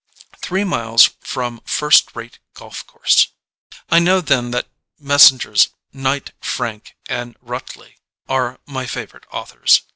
Three miles from first rate golf course.) I know then that Messrs. Knight, Frank, and Rutley are my favourite authors.